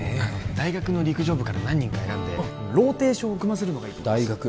大学の陸上部から何人か選んでローテーションを組ませるのがいいと思います